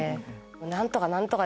何とか何とか！